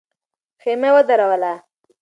خېمه ودروله.